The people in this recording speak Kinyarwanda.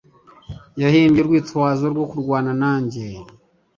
Yahimbye urwitwazo rwo kurwana nanjye